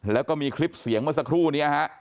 แล้วก็มีคลิปเสียงเมื่อสักครู่นี้ฮะ